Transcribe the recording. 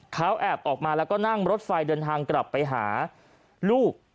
เขาแอบออกมาแล้วก็นั่งรถไฟเดินทางกลับไปหาลูก